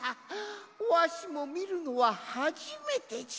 わしもみるのははじめてじゃ。